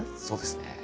そうですね。